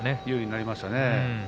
有利になりましたね